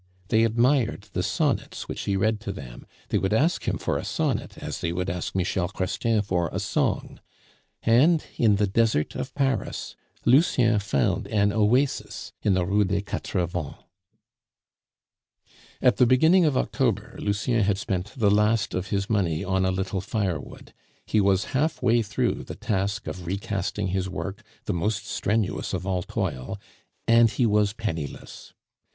They admired the sonnets which he read to them; they would ask him for a sonnet as he would ask Michel Chrestien for a song. And, in the desert of Paris, Lucien found an oasis in the Rue des Quatre Vents. At the beginning of October, Lucien had spent the last of his money on a little firewood; he was half way through the task of recasting his work, the most strenuous of all toil, and he was penniless.